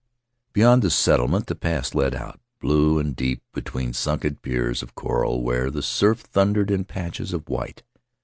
"Beyond the settlement the pass led out, blue and deep, between sunken piers of coral, where the surf thundered in patches of white.